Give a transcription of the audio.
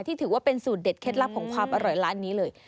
ถือว่าเป็นสูตรเด็ดเคล็ดลับของความอร่อยร้านนี้เลย